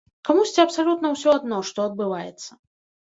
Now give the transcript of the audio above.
Камусьці абсалютна ўсё адно, што адбываецца.